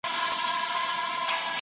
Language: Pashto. هغوی په مطالعه کولو بوخت دي.